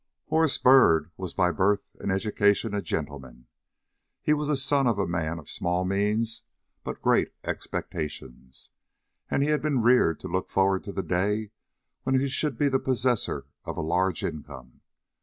HORACE BYRD was by birth and education a gentleman. He was the son of a man of small means but great expectations, and had been reared to look forward to the day when he should be the possessor of a large income.